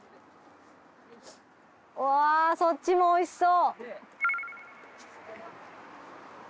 うわそっちもおいしそう！